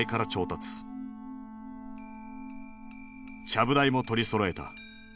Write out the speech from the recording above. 「ちゃぶ台」も取りそろえた。